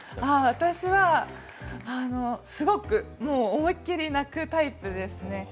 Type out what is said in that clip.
私はすごく思いっきり泣くタイプですね。